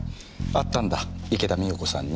会ったんだ池田美代子さんに。